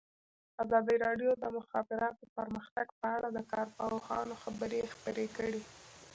ازادي راډیو د د مخابراتو پرمختګ په اړه د کارپوهانو خبرې خپرې کړي.